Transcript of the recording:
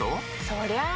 そりゃあ